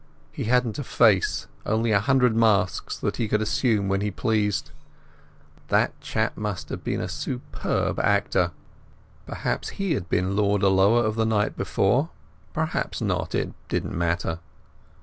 He hadn't a face, only a hundred masks that he could assume when he pleased. That chap must have been a superb actor. Perhaps he had been Lord Alloa of the night before; perhaps not; it didn't matter.